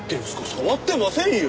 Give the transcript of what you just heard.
触ってませんよ！